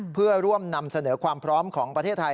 เพื่อร่วมนำเสนอความพร้อมของประเทศไทย